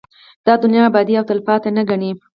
دا دنيا ابدي او تلپاتې نه گڼي